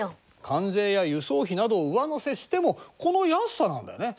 関税や輸送費などを上乗せしてもこの安さなんだよね。